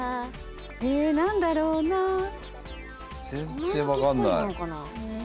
全然分かんない。